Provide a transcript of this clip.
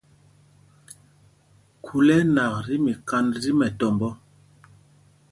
Khūl ɛ́ ɛ́ nak tí mikánd tí mɛtɔmbɔ́.